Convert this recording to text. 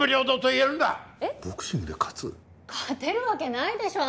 勝てるわけないでしょ